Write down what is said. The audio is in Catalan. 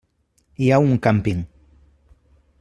Hi ha un càmping.